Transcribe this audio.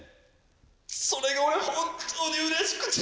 それが俺本当にうれしくて。